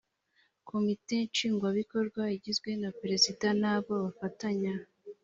komite nshingwabikorwa igizwe na perezida n’abo bafatanya